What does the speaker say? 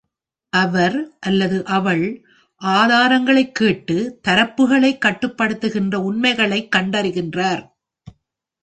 அவர், அல்லது அவள் ஆதாரங்களைக் கேட்டு, தரப்புகளைக் கட்டுப்படுத்துகின்ற, உண்மைகளைக் கண்டறிகின்றார்.